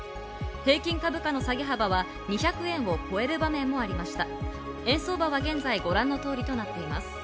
平均株価の下げ幅は２００円を超える場面もありました。